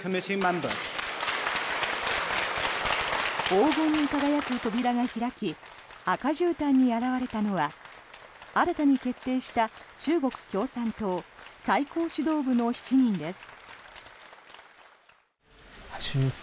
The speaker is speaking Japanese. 黄金に輝く扉が開き赤じゅうたんに現れたのは新たに決定した中国共産党最高指導部の７人です。